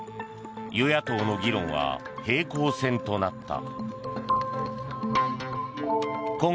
与野党の議論は平行線となった。